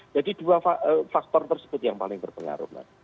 jadi dua faktor tersebut yang paling berpengaruh